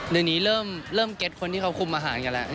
เดี๋ยวนี้เริ่มเก็ตคนที่เขาคุมอาหารกันแล้ว